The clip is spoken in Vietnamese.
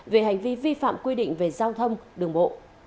về hành vi vi phạm quy định về giao thông đường bộ